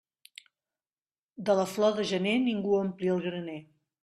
De la flor de gener ningú ompli el graner.